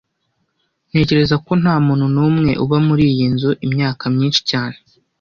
Ntekereza ko ntamuntu numwe uba muriyi nzu imyaka myinshi cyane